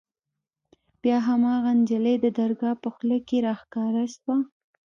بيا هماغه نجلۍ د درګاه په خوله کښې راښکاره سوه.